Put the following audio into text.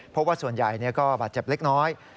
เพราะว่าส่วนใหญ่ก็บาดเจ็บเล็กน้อย